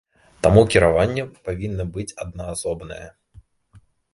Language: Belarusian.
Таму кіраванне павінна быць аднаасобнае.